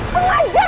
pengajar pak yana